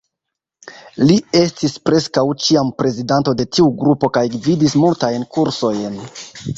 Li estis preskaŭ ĉiam prezidanto de tiu grupo kaj gvidis multajn kursojn.